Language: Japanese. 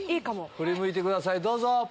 振り向いてくださいどうぞ。